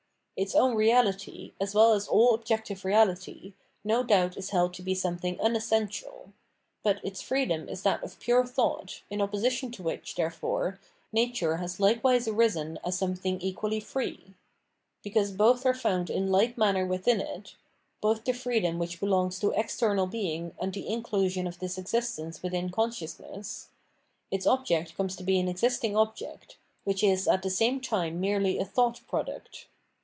Its own reality, as well as all objective reality, no doubt is held to be something unessential ; but its freedom is that of pure thought, in opposition to which, therefore, nature has likewise arisen as some thing equally free. Because both are foxmd in like manner within it — both the freedom which belongs to [external] being and the inclusion of this existence within con sciousness — ^its object comes to be an existing object, which is at the same time merely a thought product.